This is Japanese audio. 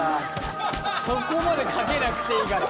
そこまでかけなくていいから。